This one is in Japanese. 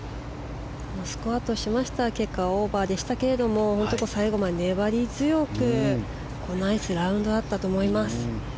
スコアとしましては結果はオーバーでしたけど最後まで粘り強くナイスラウンドだったと思います。